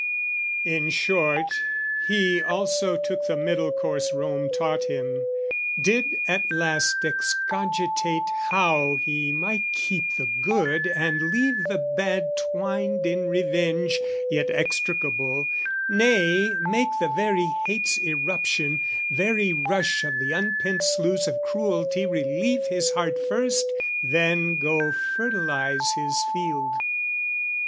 In short, he also took the middle course Rome taught him did at last excogitate How he might keep the good and leave the bad Twined in revenge, yet extricable, nay Make the very hate's eruption, very rush Of the unpent sluice of cruelty relieve His heart first, then go fertilise his field.